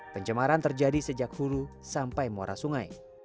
pencemaran terjadi sejak hulu sampai muara sungai